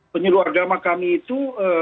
penyuluh agama kami itu